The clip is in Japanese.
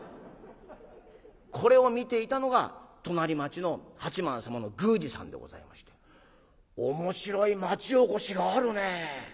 これを見ていたのが隣町の八幡様の宮司さんでございまして「面白い町おこしがあるね。